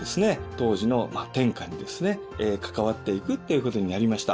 当時の天下に関わっていくっていうことになりました。